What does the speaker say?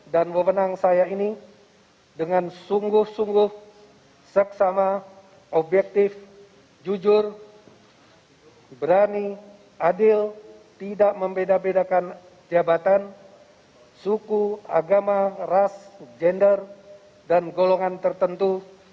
dan memenang saya ini dengan sungguh sungguh seksama objektif jujur berani adil tidak membeda bedakan jabatan suku agama ras gender dan golongan tertentu